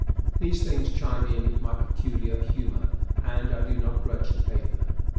These things chime in with my peculiar humor, and I do not grudge to pay for them.